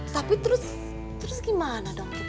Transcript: tapi terus terus gimana dong